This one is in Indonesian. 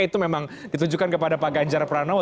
itu memang ditunjukkan kepada pak ganjar parangwo